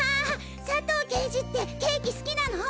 佐藤刑事ってケーキ好きなの？